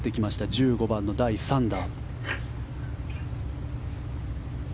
１５番の第３打。